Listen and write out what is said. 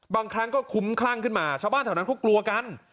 บางครั้งก็คุ้มคลั่งขึ้นมาชาวบ้านแถวนั้นเขากลัวกัน